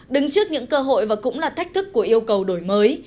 đứng trước những cơ hội và cũng là thách thức của yêu cầu đổi mới